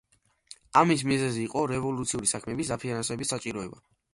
ამის მიზეზი იყო რევოლუციური საქმეების დაფინანსების საჭიროება.